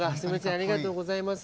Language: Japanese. ありがとうございます。